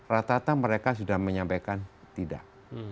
rata rata mereka sudah menyampaikan tidak